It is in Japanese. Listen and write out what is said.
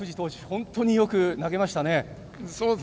本当によく投げましたね。